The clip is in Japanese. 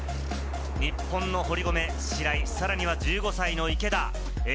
日本の堀米、白井、さらには１５歳の池田。